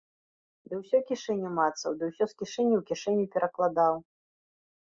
Ды ўсё кішэню мацаў, ды ўсё з кішэні ў кішэню перакладаў.